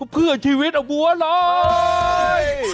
เผื่อชีวิตอบบัวเลย